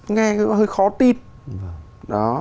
nghe hơi khó tin